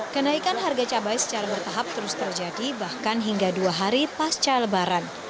kenaikan harga cabai secara bertahap terus terjadi bahkan hingga dua hari pasca lebaran